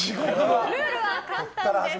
ルールは簡単です。